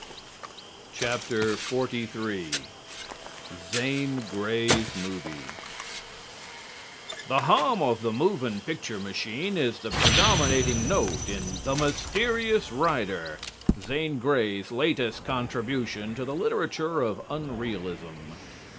XLIII ZANE GREY'S MOVIE The hum of the moving picture machine is the predominating note in "The Mysterious Rider," Zane Grey's latest contribution to the literature of unrealism.